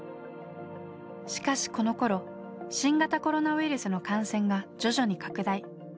しかしこのころ新型コロナウイルスの感染が徐々に拡大。